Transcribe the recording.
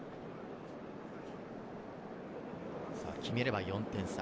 決めれば４点差。